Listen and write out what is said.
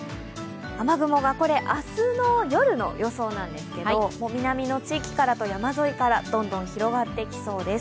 雨雲が明日の夜の予想なんですけど南の地域からと山沿いからどんどん広がってきそうです。